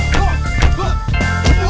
kau harus hafal penuh ya